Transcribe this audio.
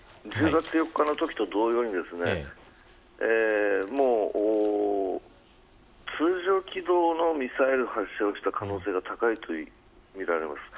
１０月４日のときと同様に通常軌道のミサイル発射をした可能性が高いとみられます。